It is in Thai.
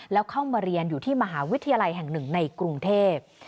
แล้วเข้ามาเรียนอยู่ที่มหาวิทยาลัยแห่งหนึ่งในกรุงเทพ